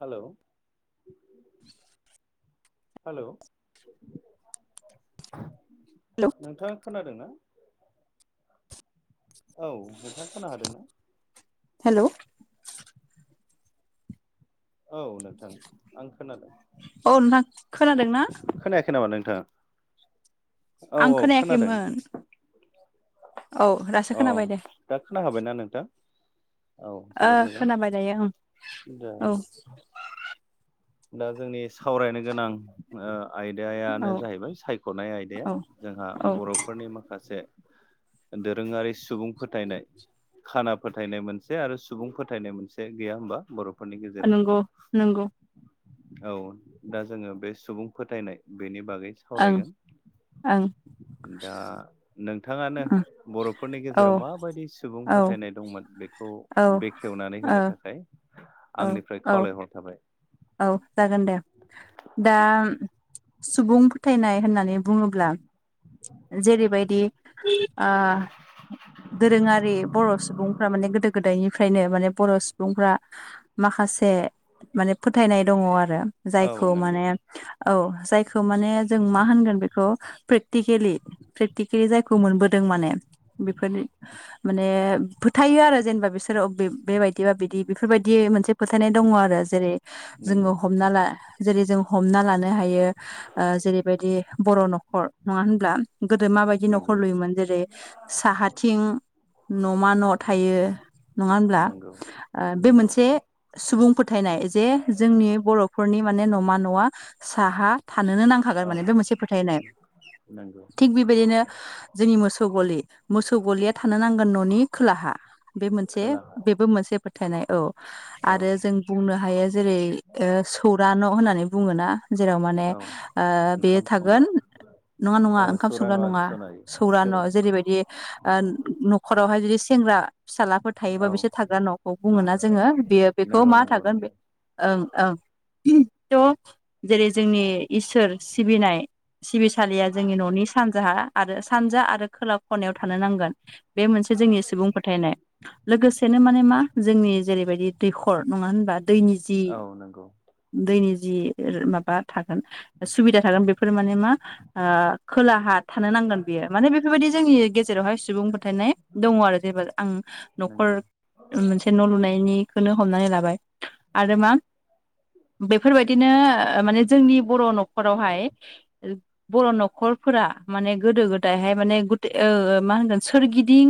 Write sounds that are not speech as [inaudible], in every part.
हेल' [inaudible] hello hello नोंथाङा खोनादों ना औ नोंथाङा खोनाहादों ना? हेल' औ नोंथां आं खोनादों। औ नोंथां खोनादों ना? खोनायाखै नामा नोंथाङा? औ आं औ खोनादों खोनायाखैमोन। औ दासो औ खोनाबाय दे। दा खोनाहाबायना नोंथां? औ ओ जोबोद मोजां खोनाबाय दायो ओं दा औ दा जोंनि सावरायनो गोनां ओ औ आयदायानो जाहैबाय सायख'नाय आयदाया औ जोंहा औ बर'फोरनि माखासे दोरोङारि सुबुं फोथायनाय खाना फोथायनाय मोनसे आरो सुबुं फोथायनाय मोनसे गैया होमबा बर' नंगौ नंगौ। औ दा जोङो बे सुबुं फोथायनाय बेनि बागै ओं सावरायगोन। ओं दा नोंथाङानो ओं बर'फोरनि औ गेजेराव माबायदि सुबुं औ फोथायनाय दंमोन बेखौ खौ बेखेवनानै होनो थाखाय ओ आंनिफ्राय औ खावलायहर थाबाय। औ जागोन दे दा सुबुं फोथायनाय होननानै बुङोब्ला जेरैबायदि ओ दोरोङारि ओ बर' सुबुं मा गोदो-गोदायनिफ्रायनो माने बर' सुबुंफ्रा माखासे माने होनाय दं आरो औ जायखौ नंगौ माने औ जाय खौ माने जों मा होनगोन बेखौ प्रेकटिकेलि प्रेकटि खिनि जायखौ मोनबोदों माने बेफोरनि माने फोथायो आरो जेनेबा बिसोरो बेबायदिबा बिदि बेफोरबायदि मोनसे फोथायनाय दङ आरो जेरै नंगौ जोङो हमना ला जेरै जों हमना लानो हायो ओ जेरैबायदि बर' न'खर नङा होनब्ला? गोदो माबायदि न'खर नंगौ लुयोमोन जेरै साहाथिं न'मा न' थायो। नङा होब्ला नंगौ ओ बे नंगौ मोनसे सुबुं फोथायनाय जे जोंनि बर'फोरनि माने न'मा न'आ साहा थानोनो नांगौ। हागार औ माने बे मोनसे फोथायनाय नंगौ थिग बेबायदिनो जोंनि मोसौ गलि मोसौ गलिया थानो नांगोन न'नि खोलाहा। बे मोनसे खोलाहा बेबो मोनसे फोथायनाय औ औ आरो जों बुंनो हायो जेरै ओ सौरा न' होननानै बुङोना जेराव माने औ ओ बेयो ओंखाम संग्रा थागोन। नङा नङा ओ ओंखाम सौरा संग्रा नङा सनारि सौरा न' जेरैबायदि ओ न'खरावहाय जुदि सेंग्रा फिसाज्लाफोर औ थायोबा बिसोर थाग्रा न'खौ बुङोना जोङो बेयो बेखौ नंगौ मा नंगौ नंगौ थागोन बे ओं ओं था जेरै जोंनि इसोर सिबिनाय सिबिसालिया जोंनि न'नि सानजाहा आरो सानजा आरो खोला खनायाव थानो नांगोन। बे मोनसे जोंनि सुबुंफोर फोथायनाय लोगोसेनो माने मा जोंनि जेरैबायदि दैखर नङा होनबा दैनि जि औ नंगौ दैनि जि माबा थागोन सुबिदा थागोन बेफोर माने मा ओ खोलाहा थानो नांगोन बियो माने बेफोरबायदि जोंनि गेजेरावहाय सुबुं फोथायनाय दङ आरो जेनेबा आं न'खर नंगौ मोनसे न' लुनायनिखोनो हमनानै लाबाय आरो मा बेफोरबायदिनो ओ माने जोंनि बर' न'खरावहाय बर' न'खर फोरा माने गोदो-गोदायहाय माने ओ मा होनगोन सोरगिदिं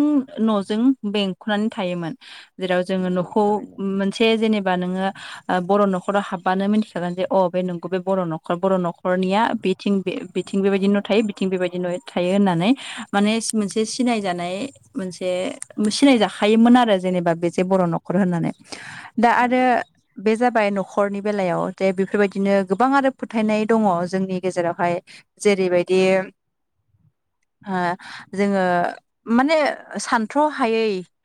न'जों बें खननानै थायोमोन जेराव जोङो नंगौ न'खौ थारैनो मोनसे जेनेबा नोङो ओ बर' न'खराव हाबबानो मिथिखागोन जे अ बे नोंगौ बे बर' नखर बर' न'खरनिया बे बिथिं बे बिथिं बेबायदि न' थायो बिथिं बेबायदि न' थायो होननानै माने मोनसे सिनायजानाय मोनसे सिनाय जाखायोमोन आरो जेनेबा बे जे बर' न'खर होननानै दा नंगौ आरो बे जाबाय न'खरनि बेलायाव जे बेफोरबायदिनो गोबां आरो फोथायनाय दङ जोंनि गेजेरावहाय जेरैबायदि ओ जोङो माने सानथ्र' हायै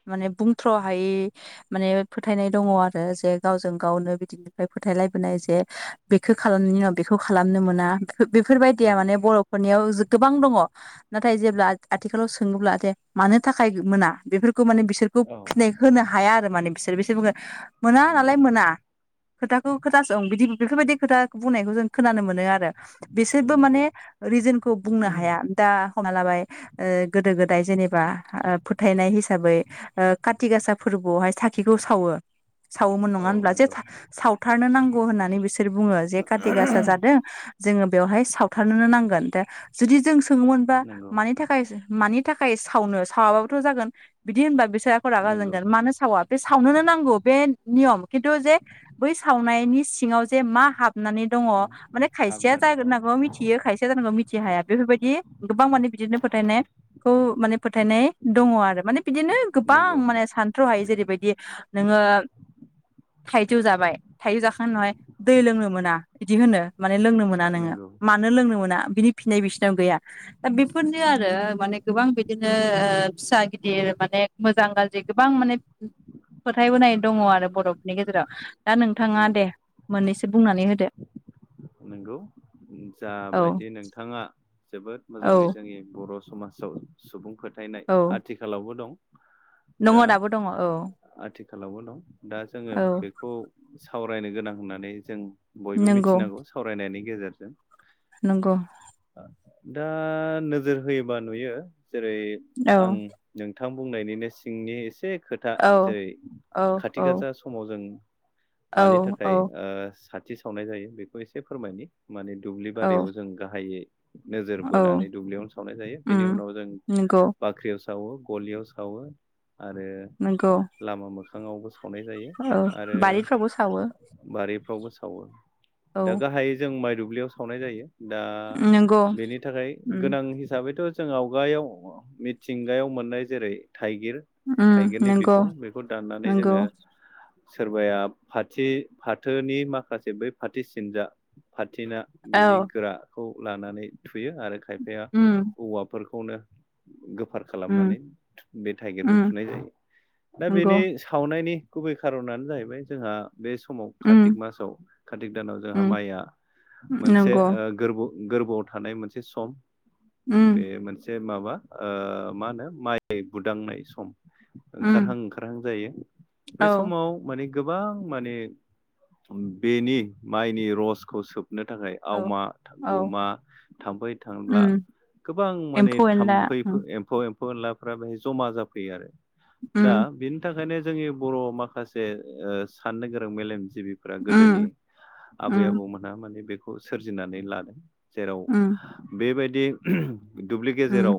माने बुंथ्र' हायै माने फोथायनाय दङ आरो जे गावजों गावनो बिदि बेनिफ्राय फोथायलायबोनाय जे बेखौ खालामनायनि उनाव बेखौ खालामनो मोना बेफोरबायदिया औ माने बर'फोरनियाव जो-गोबां दङ। नाथाय जेब्ला आथ-आथिखालाव सोङोब्ला जे मानो थाखाय मोना बेफोरखौ माने बिसोर खौ औ फिनाय होनो हाया आरो माने बिसोर बिसोर बुंखौ मोना नालाय नंगौ मोना। खोथाखौ खोनासं बिदि बेफोरबायदि खोथा बुंनायखौ जों खोनानो मोनो आरो। बिसोरबो माने नंगौ रिजोनखौ बुंनो हाया दा हना लाबाय ओ गोदो गोदाय जेनेबा फोथायनाय हिसाबै काति गासा फोरबोआवहाय साखिखौ सावो सावोमोन नङा औ होनब्ला नंगौ जे सावथारनो नांगौ होननानै बिसोर बुङो जे काति गासा जादों जोङो बेवहाय सावथारनोनो नांगोन दा जुदि जों सोङोमोनबा नंगौ मानि थाखाय मानि थाखाय सावनो सावाबाबोथ' जागोन बिदि होनबा बिसोर आंखौ रागा नंगौ जोंगोन मानो सावा बे सावनोनो नांगौ। बे नियम खिन्थु जे बै सावनायनि सिङाव जे मा हाब नानै दङ माने खायसेया हाबनानै जाग दं नांगौ मिथियो खायसेया जेनेबा मिथ थि हाया बेफोरबायदि गोबां माने बिदिनो फोथायनायखौ माने फोथायनाय दङ आरो माने बिदिनो गोबां नंगौ माने सानथ्र'हायि जेरैबायदि नोङो थाइजौ जाबाय थाइजौ जाखांनायनि उनावहाय दै लोंनो मोना बिदि होनो माने लोंनो मोन ना नोङो नंगौ मानो लोंनो मोना बिनि फिननाय बिसिनायाव गैया। दा बेफोरनो आरो माने गोबां बिदिनो फिसा गिदिर माने मोजां गाज्रि गोबां माने फोथायबोनाय दङ आरो बर'फोरनि गेजेराव दा नोंथाङा नंगौ दे मोननैसो बुंनानै होदो। नंगौ औ जाबायदि नोंथाङा जोबोद मोजाङै औ जोंनि बर' समाजाव सुबुं फोथायनाय औ आथिखालावबो दं। दङ दा दाबो दङ औ आथिखालावबो दं दा जोङो औ बेखौ सावरायनो गोनां होननानै जों बयबो नंगौ मिथिनांगौ सावरायनायनि गेजेरजों नंगौ दा नोजोर होयोबा नुयो जेरै औ आं नोंथां बुंनायनिनो सिंनि एसे खोथा जेरै औ खाथि औ गासा स समाव जों औ मानि औ थाखाय साथि सावनाय जायो बेखौ एसे फोरमायनि। माने दुब्लि औ बारियाव जों गाहायै नोजोर औ बोनानै दुब्लियावनो सावनाय जायो उम बेनि उनाव जों नंगौ बा ख्रियाव सावो गलियाव सावो आरो नंगौ लामा मोखाङावबो सावो। सावनाय जायो औ आरो बारिफ्रावबो सावो बारिफ्रावबो सावो। औ दा गाहायै जों माइ दुब्लियाव सावनाय जायो दा नंगौ बेनि थाखाय उम गोनां हिसाबैथ' जों आवगायाव मिथिंगायाव मोननाय जेरै थाइगिर उम थाइगिरनि नंगौ बिखं बेखौ दाननानै नंगौ जोङो सोरबाया फाथि फाथोनि माखासे बै फाथि सिनजा फाथिना औ बिनि गोराखौ लानानै थुयो आरो खायफाया उम औवाफोरखौनो गोफार उम खालामनानै बे थु-बे थाइगिरखौ उम थुनाय जायो दा नंगौ बेनि सावनायनि गुबै खारनानो जाहैबाय जोंहा बे समाव कातिक उम मासाव कातिक जाउनाव जोंहा उम माइआ मोनसे नंगौ गोरबो-गोरबोआव थानाय मोनसे सम। उम बे मोनसे माबा मा होनो माइ गुदांनाय सम। उम ओंखारहां ओंखारहां जायो बे औ समाव माने गोबां माने बेनि माइनि रसखौ सोबनो थाखाय औ आवमा औ गुमा थाम्फै थांब्ला उम गोबां माने एम्फौ एनला थाम्फै उम एम्फौ एम्फौ एनलाफ्रा बेहाय जमा जाफैयो आरो दा उम बे बिनि थाखायनो जोंनि बर' माखासे साननो गोरों मेलेमजिबिफोरा गोदोनि उम आबै उम आबौमोनहा माने बेखौ सोरजिनानै लादों जेराव उम बेबायदि दुब्लि उम गेजेराव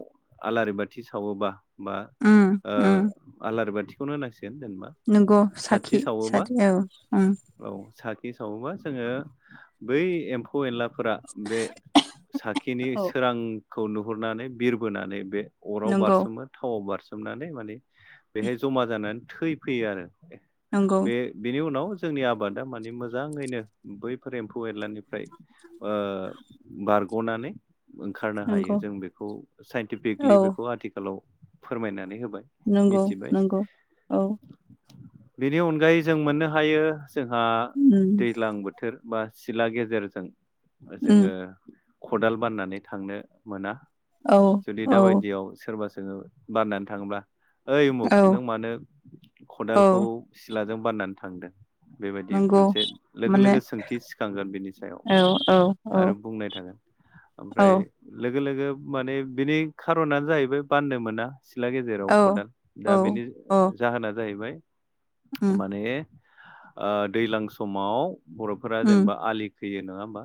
आलारि बाथि सावोबा बा उम ओ उम आलारि बाथिखौनो होनांसिगोन जेनेबा नंगौ साथि साखि सा सावोबा औ उम। औ साखि सावोबा जोङो बै एम्फौ एम्फौ एनलाफोरा बे साखिनि औ सोरां खौ नुहुरनानै बिरबोनानै बे अराव नंगौ बारसोमो थावाव बारसोमनानै माने बेहाय जमा जानानै थै फैयो आरो नंगौ बे बिनि उनाव जोंनि आबादा मानिे मोजाङैनो बैफोर एम्फौ एरलानानि फ्राय ओ बारग'नानै ओंखारनो हायो नंगौ जों बेखौ औ साइन्टिफिकलि बेखौ आथिखालाव फोरमायनानै होबाय। नंगौ मिथिबाय नंगौ औ। बेनि अनगायै जों मोननो हायो जोंहा उम दैज्लां बोथोर बा सिला गेजेरजों उम जोङो खदाल बाननानै थांनो मोना औ जुदि औ दााबायदियाव सोरबा सोङो बाननानै थाङोब्ला ओइ उमुग औ नों मानो औ खदालखौ सिलाजों बाननानै थांदों बेबायदि नंगौ मोनसे मोनसे लोगो माने लोगो सोंथि सिखांगोन बिनि सायाव। औ औ आरो औ बुंनाय थागोन औ ओमफ्राय लोगो लोगो माने बिनि खार'नानो जाहैबाय बान्नो मोना। सिथ्ला गेजेराव औ खदाल दा औ बेनि अ जाहोना जाहैबाय उम माने दैज्लां समाव बर'फोरा उम जेनेबा आलि खैयो नङा होमबा?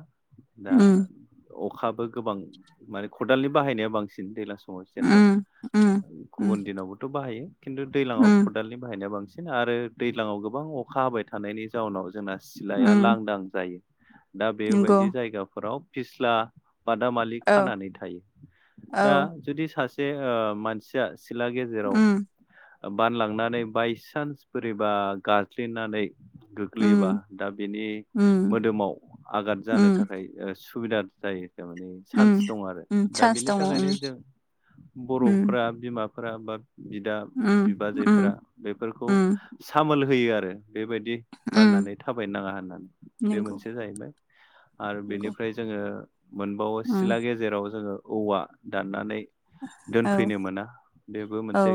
दा उम अखाबो गोबां माने खदालनि बाहायनाया बांसिन दैज्लां सम मोन उम उम उम गुबुन दिनावबोथ' बाहायो खिन्थु दैलांङाव उम खदालनि बाहायनाया बांसिन बिांसिनो आरो दैज्लाङाव गोबां अखा हाबाय थानायनि जाउनाव जोंना सिलाया उम लांदां जायो। दा नंगौ बेबायदि जायगाफोराव फिस्ला बादामालि औ खानानै थायो दा औ जुदि सासे ओ मानसि सिसा सिला गेजेराव उम बानलांनानै बायसान्स बोरैबा गाज्लिनानै उम सोलैयोबा दा बिनि उम मोदोमाव आगाद जानो उम थाखाय सुबिदा जायो थारमाने। उम चान्स दं आरो उम दा चान्स बिनि दङ थाखायनो उम जों उम बर'फोरा बिमाफोरा बा बिदा उम उम बिबाजैफोरा बेफोरखौ उम सामोल होयो आरो बेबायदि उम गाननानै थाबायनो नाङा होननानै बे नंगौ मोनसे जाहैबाय आरो नंगौ बेनिफ्राय जोङो मोनबावो उम सिला गेजेराव जोङो औवा दाननानै औ दोनफैनो मोना बेबो औ मोनसे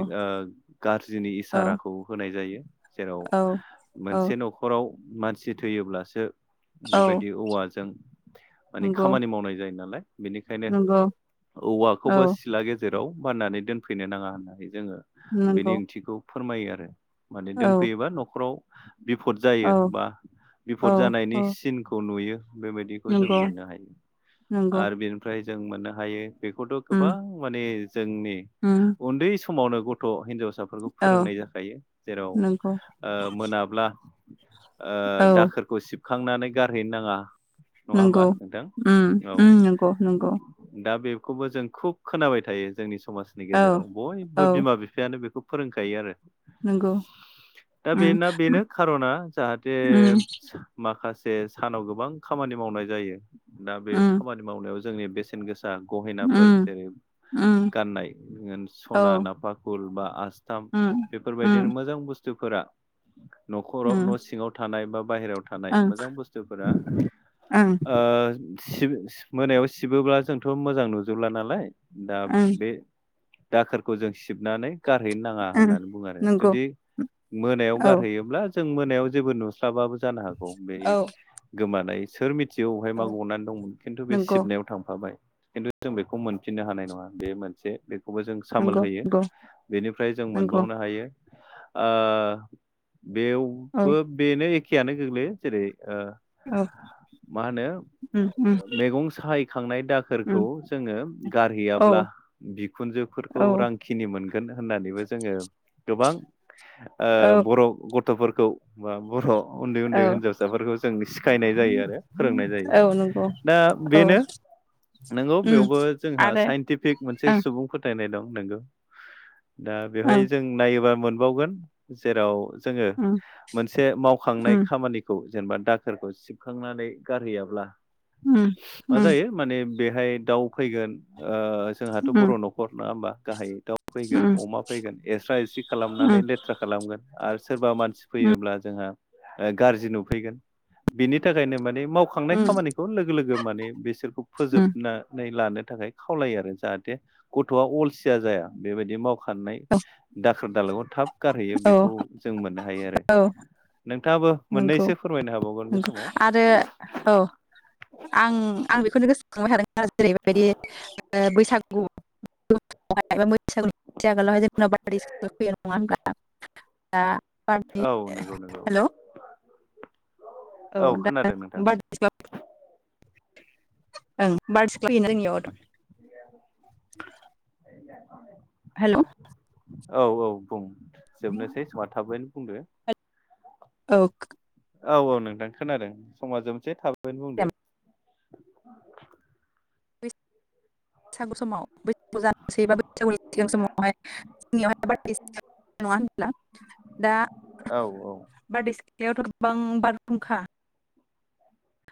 गाज्रिनि औ इसाराखौ होनाय जायो जेराव औ औ मोनसे न'खराव मानसि थैयोब्लासो औ बेबायदि औवाजों माने नंगौ खामानि मावनाय जायो नालाय बेनिखायनो नंगौ औवाखौबो औ सिथला गेजेराव बाननानै दोनफैनो नाङा होननानै जोङो नंगौ बेनि ओंथिखौ फोरमायो आरो माने औ दोनफैयोबा न'खराव बिफद जायो औ बा औ बिफद औ जानायनि सिनखौ नुयो बेबायदिखौ जों नंगौ मोननो हायो नंगौ आरो बेनिफ्राय जों मोननो हायो बेखौथ' उम गोबां माने जोंनि उम। उन्दै समावनो गथ' हिनजावसा फोर औ फोरोंनाय जाखायो जेराव ओ नंगौ मोनाब्ला ओ औ दाखोर खौ सिबखांनानै गारहैनो नाङा। नङा होमबा नंगौ नोंथां? उम औ। उम नंगौ नंगौ दा बेखौबो जों खुब खोनाबाय थायो जोंनि समाजनि औ गेजेराव बयबो औ बिमा बिफायानो बेखौ फोरोंखायो आरो। नोंगौ दा उम। बेना बेनो खार'ना जाहाथे उम माखासे सानाव गोबां खामानि मावनाय जायो। दा बे उम खामानि मावनायाव जोंनि बेसेन गो सा गहेनाफोर उम जेरै उम गाननाय औ सना, नाफाखुल बा आस थाम उम बेफोरबायदिनो उम मोजां बुस्थुफोरा न'खराव न' उम सिङाव थानाय बा बायहेरायाव थानाय ओं मोजां बुस्थुफोरा ओं ओ सि मोनायाव सिबोब्ला जोंथ' मोजां नुजोबला नालाय दा ओं बे दाखोरखौ जों सिबनानै गारहैनो नाङा ओं होननानै बुङो आरो। नंगौ जुदि मोनायाव औ गारहैयो ब्ला जों मोनायाव जेबो नुस्लाबाबो जानो हागौ बे औ गोमानाय सोर मि जिउआवहाय औ माो अनानै दंमोन खिन्थु बे नंगौ सिबनायाव थांफाबाय खिन्थु जों बेखौ मोनफिननो हानाय नङा बे मोनसे खौबो जों सामोल नंगौ होयो। नंगौ बेनिफ्राय जों नंगौ मोनबावनो हायो ओ औ बेवबो बेनो एखेयानो गोग्लैयो जेरै ओ औ मा होनो उम उम मैगं साहायखांनाय दा खोरखौ उम जोङो औ गारहैयाब्ला बिखुनजोफोरखौ औ रां खिनि मोनगोन होननानैबो जोङो गोबां औ ओ बर' गथ'फोरखौ बा बर' उन्दै औ उन्दै हिनजावसाफोरखौ जों सिखायनाय जायो आरो फोरोंनाय जायो। दा औ औ। बेनो नोंगौ उम बेयावबो जोंहा आरो साइनटिफिक मोनसे ओं सुबुं फोथायनाय दं नोंगौ। दा बेवहाय ओं जों नायोबा मोनबावगोन जेराव जोङो उम मोनसे उम मावखांनाय खामानि खौ जेनेबा दाखोरखौ सिबखांनानै गारहैयाब्ला उम मा उम। जायो माने बेहाय दाउ फैगोन। ओ जोंहाथ' उम बर' न'खर नङा होमबा गाहायै दाउ फैगोन उम अमा फैगोन एस्रा एस्रि खालामनानै उम लेथ्रा खालामगोन आरो सोरबा मानसि फैयोब्ला जोंहा ओ गाज्रि नुफैगोन। बिनि थाखायनो माने माव थांनाय उम उम खामानि खौ लोगो लोगो माने बिसोरखौ उम फोजोबनानै लानो थाखाय खावलायो आरो जाहाथे गथ'आ अलसिया जाया बेबायदि माव खारनाय दाखोर दालाआव थाब गारहैयो औ बेखौ जों मोननो हायो आरो। नोंथाङाबो मोननैसो फोरमायनो हाबावगोन बे समाव ओ औ आं आं बेखौनो गोसो खांबाय थादों जेरैबायदि ओ बैसागु [unintelligible] एबा [unintelligible] बैसागु [unintelligible] नङा होनब्ला। दा बादि औ नंगौ नंगौ हेलौ। औ [inaudible] [unintelligible] ओं खोनादों नोंथां बार्टस [unintelligible] रोंनियाव [unintelligible] [inaudible] [inaudible] [inaudible] हेलौ औ औ बुं जोबनोसै समा थाबैनो बुंदो। औ औ औ नोंथां खोनादों समा जोबसै थाबैनो बुंदो। बैसागु समाव बैसागु जानोसै बा बैसागु सिगां समावहाय जोंनियावहाय बार सि नङा होनब्ला दा औ औ। बारदै सिख्लायावथ' गोबां बारहुंखा